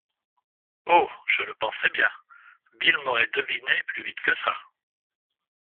Oh ! je le pensais bien, Bill m'aurait deviné plus vite que ça.